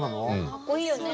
かっこいいよね。